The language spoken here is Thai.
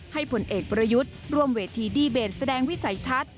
ผลเอกประยุทธ์ร่วมเวทีดีเบตแสดงวิสัยทัศน์